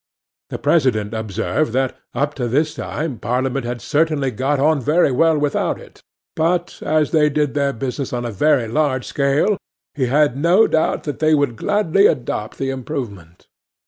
'THE PRESIDENT observed that, up to this time Parliament had certainly got on very well without it; but, as they did their business on a very large scale, he had no doubt they would gladly adopt the improvement.